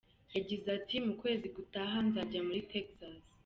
Yagize ati :”Mu kwezi gutaha nzajya muri Texas.